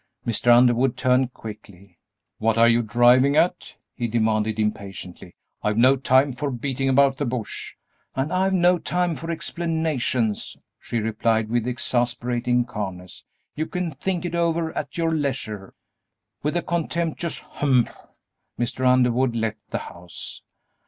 Mr. Underwood turned quickly. "What are you driving at?" he demanded, impatiently. "I've no time for beating about the bush." "And I've no time for explanations," she replied, with exasperating calmness; "you can think it over at your leisure." With a contemptuous "Humph!" Mr. Underwood left the house.